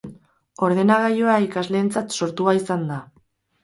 Ordenagailua ikasleentzat sortua izan da.